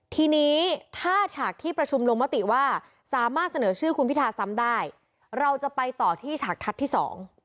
ทีนี้ถ้าหากที่ประชุมลงมติว่าสามารถเสนอชื่อคุณพิธาซ้ำได้เราจะไปต่อที่ฉากทัศน์ที่สอง